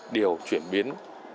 điều chuyển biến